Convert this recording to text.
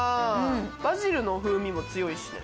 バジルの風味も強いしね。